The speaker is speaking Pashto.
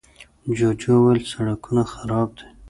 جوجو وويل، سړکونه خراب دي.